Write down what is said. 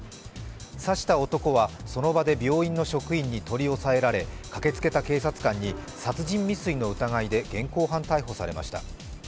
刺した男はその場で病院の職員に取り押さえられ駆けつけた警察官に殺人未遂の疑いで現行犯逮捕されました。